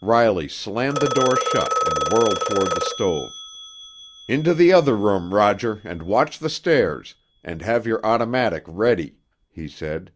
Riley slammed the door shut and whirled toward the stove. "Into the other room, Roger, and watch the stairs—and have your automatic ready," he said.